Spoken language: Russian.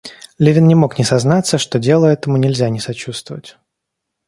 Левин не мог не сознаться, что делу этому нельзя не сочувствовать.